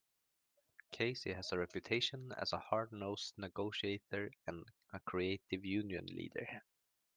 Casey has a reputation as a hard-nosed negotiator and a creative union leader.